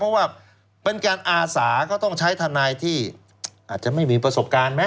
เพราะว่าเป็นการอาสาก็ต้องใช้ทนายที่อาจจะไม่มีประสบการณ์ไหม